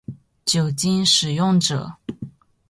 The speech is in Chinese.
酒精使用者